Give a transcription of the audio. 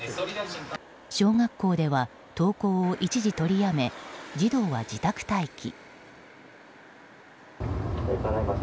小学校では登校を一時取りやめ児童は自宅待機。